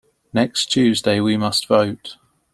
Next Tuesday we must vote.